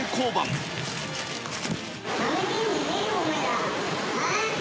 なめてんじゃねーよ、お前ら！あ？